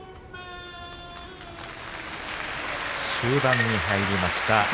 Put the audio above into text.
終盤に入りました。